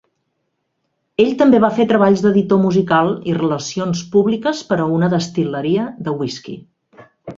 Ell també va fer treballs d'editor musical i relacions públiques per a una destil·leria de whisky.